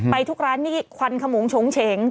ไปทุกร้านนี่ควันขมงโฉงเฉง